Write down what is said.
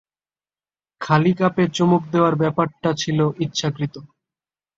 খালি কাপে চুমুক দেওয়ার ব্যাপারটা ছিল ইচ্ছাকৃত।